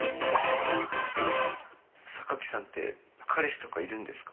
榊さんって、彼氏とかいるんですか？